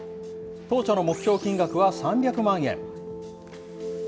当初の目標金額は３００万円。